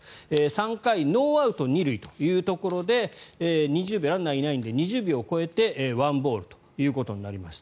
３回ノーアウト２塁というところでランナーがいないので２０秒を超えて１ボールということになりました。